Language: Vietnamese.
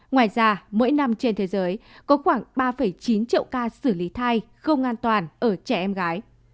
ngoài ra mỗi năm trên thế giới có khoảng ba chín triệu ca xử lý thai không an toàn ở trẻ em gái